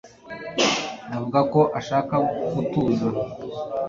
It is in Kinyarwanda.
Avuga ko ashaka gutuza